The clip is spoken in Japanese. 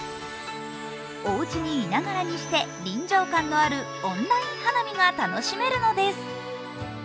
おうちにいながらにして、臨場感のあるオンライン花見が楽しめるのです。